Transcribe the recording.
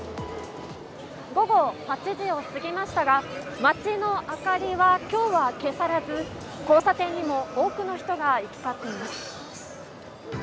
午後８時を過ぎましたが街の明かりは今日は消されず交差点にも多くの人が行き交っています。